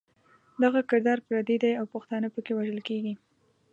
دغه کردار پردی دی او پښتانه پکې وژل کېږي.